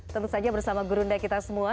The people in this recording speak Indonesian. tentu saja bersama gurunda kita semua